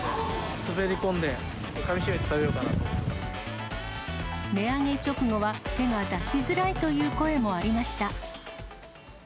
滑り込んで、かみしめて食べよう値上げ直後は手が出しづらいという声もありました。